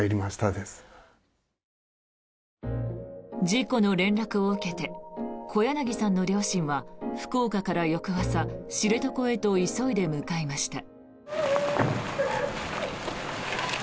事故の連絡を受けて小柳さんの両親は福岡から翌朝知床へと急いで向かいました。